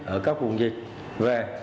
ở các vùng dịch về